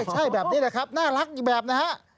ใช่แบบนี้แหละครับน่ารักอีกแบบนะฮะ